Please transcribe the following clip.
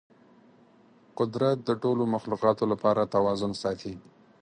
قدرت د ټولو مخلوقاتو لپاره توازن ساتي.